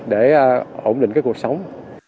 để ổn định cái cuộc sống